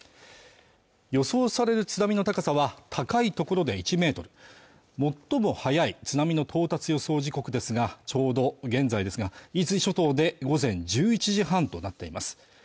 予想される津波の高さは高いところで１メートル最も早い津波の到達予想時刻ですがちょうど現在ですが伊豆諸島で午前１１時半となっています